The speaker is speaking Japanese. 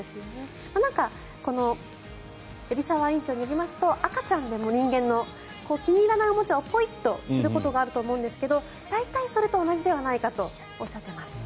海老沢院長によりますと人間の赤ちゃんでも気に入らないおもちゃをポイとすることがあると思うんですけど大体、それと同じではないかとおっしゃってます。